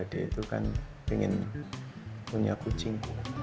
dia itu kan pengen punya kucing